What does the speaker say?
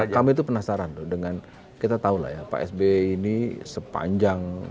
kami itu penasaran tuh dengan kita tahu lah ya pak sby ini sepanjang